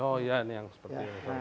oh iya ini yang seperti ini